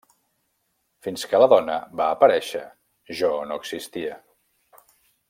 Fins que la dona va aparèixer, jo no existia.